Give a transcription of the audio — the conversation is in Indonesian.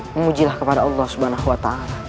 memujilah kepada allah swt